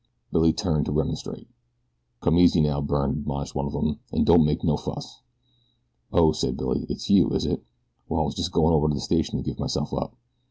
Billy turned to remonstrate. "Come easy now, Byrne," admonished one of the men, "an' don't make no fuss." "Oh," said Billy, "it's you, is it? Well, I was just goin' over to the station to give myself up."